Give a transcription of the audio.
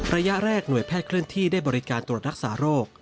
ระยะแรกหน่วยแพทย์เคลื่อนที่ได้บริการตรวจรักษาโรค